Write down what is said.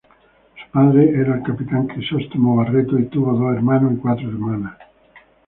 Su padre era el capitán Crisóstomo Barreto y tuvo dos hermanos y cuatro hermanas.